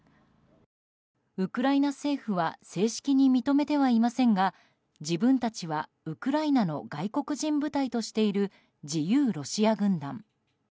ウクライナ政府は正式に認めてはいませんが自分たちは、ウクライナの外国人部隊としている自由ロシア軍団。